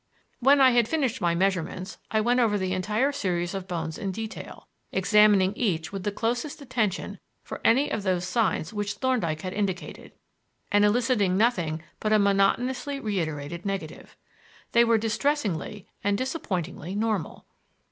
When I had finished my measurements I went over the entire series of bones in detail, examining each with the closest attention for any of those signs which Thorndyke had indicated, and eliciting nothing but a monotonously reiterated negative. They were distressingly and disappointingly normal.